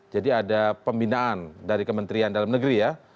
jadi ada pembinaan dari kementerian dalam negeri ya